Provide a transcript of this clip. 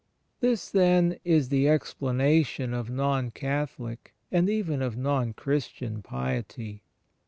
This, then, is the explanation of Non Catholic, and even of Non Christian, piety.